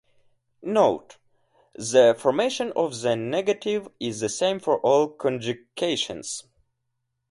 Note: the formation of the negative is the same for all conjugations.